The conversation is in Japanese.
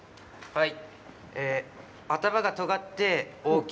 はい。